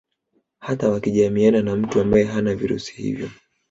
Hata wakijamiana na mtu ambaye hana virusi hivyo